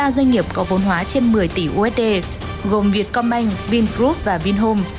ba doanh nghiệp có vốn hóa trên một mươi tỷ usd gồm việt công anh vingroup và vinhome